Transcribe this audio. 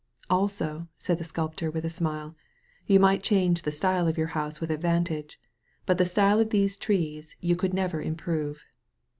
'* "Also," said the sculptor, with a smile, "you might change the style of your house with advan tage, but the style of these trees you could never improve.